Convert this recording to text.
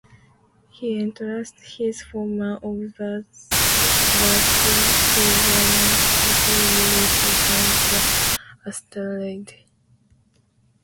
He entrusted his former observatory to Laurent, who later found the asteroid.